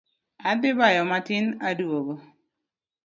Adhi bayo matin aduogo